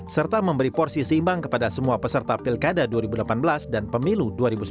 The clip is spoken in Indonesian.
serta memberi porsi seimbang kepada semua peserta pilkada dua ribu delapan belas dan pemilu dua ribu sembilan belas